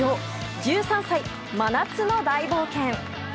１３歳、真夏の大冒険。